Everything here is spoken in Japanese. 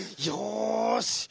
よし！